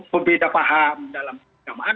pembeda paham dalam keagamaan